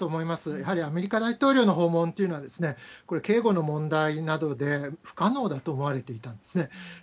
やはりアメリカ大統領の訪問というのは、これ、警護の問題などで不可能だと思われていたんですね。